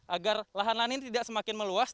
agar lahan lahan ini tidak semakin meluas